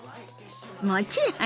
もちろんよ。